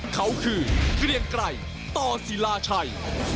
เขาคือเกรียงไกรต่อศิลาชัย